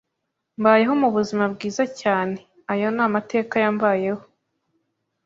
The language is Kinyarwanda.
mbayeho mu buzima bwiza cyane ayo ni amateka yambayeho